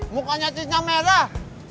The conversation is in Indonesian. mukanya tisnya merah